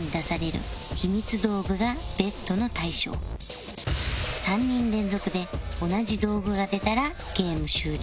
その時に３人連続で同じ道具が出たらゲーム終了